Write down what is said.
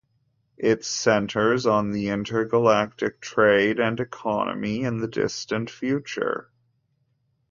It centers on the intergalactic trade and economy in the distant future.